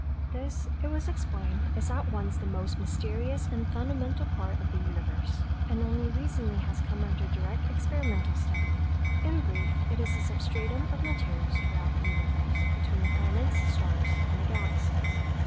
"This," it was explained, "is at once the most mysterious and fundamental part of the universe, and only recently has come under direct experimental study. In brief, it is the substratum of materials throughout the universe, between planets, stars and the galaxies.